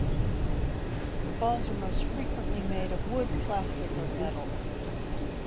The balls are most frequently made of wood, plastic, or metal.